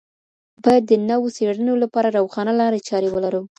باید د نوو څیړنو لپاره روښانه لاري چاري ولرو.